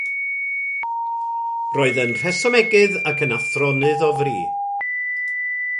Roedd yn rhesymegydd ac yn athronydd o fri.